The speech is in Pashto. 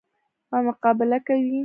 او مقابله کوي.